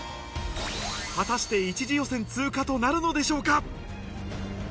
果たして一次予選通過となるのでしょうか？